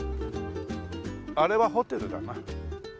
あれはホテルだな。